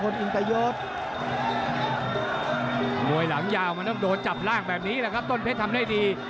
อินตยศมวยหลังยาวมันต้องโดนจับล่างแบบนี้แหละครับต้นเพชรทำได้ดี